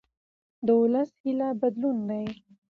د ولس هیله بدلون دی